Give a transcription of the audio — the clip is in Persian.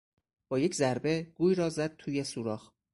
با یک ضربه گوی را زد توی سوراخ.